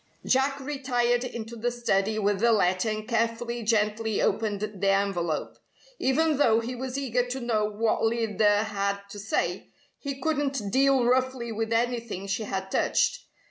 Jack retired into the study with the letter and carefully, gently opened the envelope. Even though he was eager to know what Lyda had to say, he couldn't deal roughly with anything she had touched.